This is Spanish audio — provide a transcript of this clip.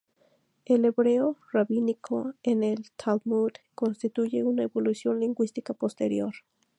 El hebreo rabínico en el Talmud, constituye una evolución lingüística posterior.